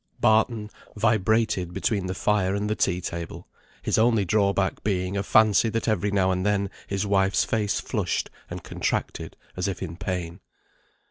Barton vibrated between the fire and the tea table, his only drawback being a fancy that every now and then his wife's face flushed and contracted as if in pain.